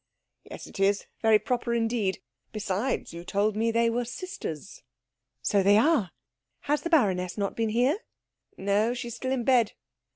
"Yes, it is very proper indeed. Besides, you told me they were sisters." "So they are. Has the baroness not been here?" "No, she is still in bed."